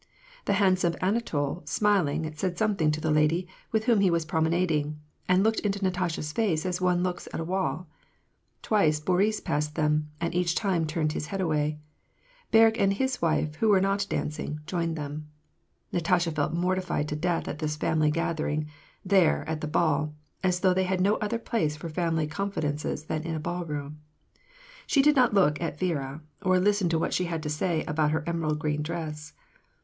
The handsome Anatol, smiling, said something to the lady with whom he was promenading, and looked into Natasha's face as one looks at a wall. Twice Boris ]|^ed them, and each time turned his head away. Berg and his w^ife, who were not dancing, joined them. Natasha felt mortified to death at this family gathering, there, at the ball ; as though they had no other place for family con fidences than in a ballroom. She did not look at Viera, or lis ten to what she had to say about her emerald green dress.